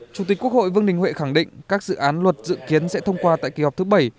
chủ tịch quốc hội vương đình huệ khẳng định các dự án luật dự kiến sẽ thông qua tại kỳ họp thứ bảy